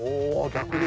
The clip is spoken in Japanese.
逆に。